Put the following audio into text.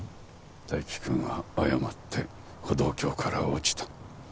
泰生君は誤って歩道橋から落ちた。